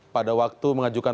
pada waktu mengajukan